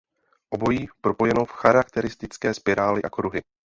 Obojí propojeno v charakteristické spirály a kruhy.